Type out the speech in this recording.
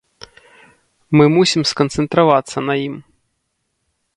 Мы мусім сканцэнтравацца на ім.